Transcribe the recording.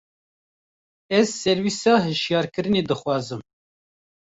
Ez servîsa hişyarkirinê dixwazim.